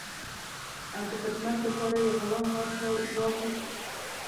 او د خدمت لپاره یې غلام ورته واخیست.